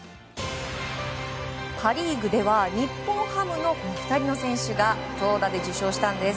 パ・リーグでは日本ハムの２人の選手が投打で受賞したんです。